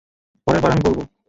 পরের বার আমি বলব।